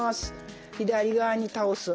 左側に倒す。